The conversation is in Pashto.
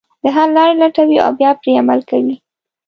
د حل لارې لټوي او بیا پرې عمل کوي.